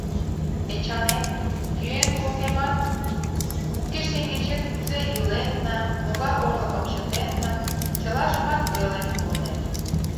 — Эчанем, йӱын колтемат, уке шеҥгечет кузе иленна, могай орлыкым чытенна — чылажымат ойлен пуынем.